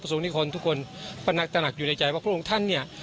ประสงค์นิกรทุกคนตนักอยู่ในใจว่าพระองค์ท่านเนี้ย